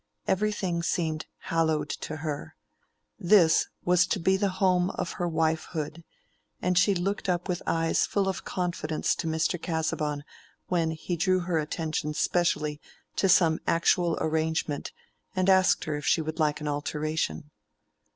Everything seemed hallowed to her: this was to be the home of her wifehood, and she looked up with eyes full of confidence to Mr. Casaubon when he drew her attention specially to some actual arrangement and asked her if she would like an alteration.